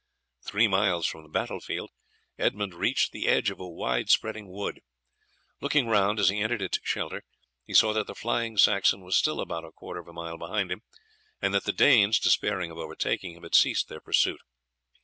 Three miles from the battle field Edmund reached the edge of a wide spreading wood. Looking round as he entered its shelter he saw that the flying Saxon was still about a quarter of a mile behind him, and that the Danes, despairing of over taking him, had ceased their pursuit.